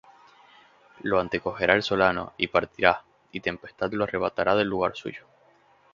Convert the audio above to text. Lo antecogerá el solano, y partirá; Y tempestad lo arrebatará del lugar suyo.